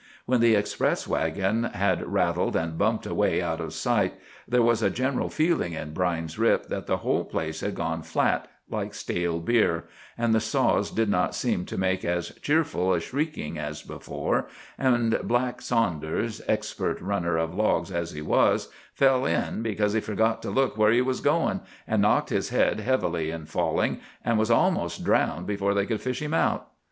When the express waggon had rattled and bumped away out of sight there was a general feeling in Brine's Rip that the whole place had gone flat, like stale beer, and the saws did not seem to make as cheerful a shrieking as before, and Black Saunders, expert runner of logs as he was, fell in because he forgot to look where he was going, and knocked his head heavily in falling, and was almost drowned before they could fish him out.